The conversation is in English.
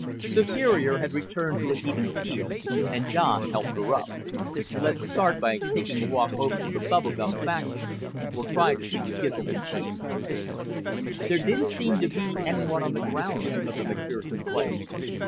Superior had returned to an even keel and Don helped her up. "Let's start by taking a walk over to the bubble gum factory. We'll try to see the Gizl in Chief." There didn't seem to be anyone on the grounds of the McFerson place.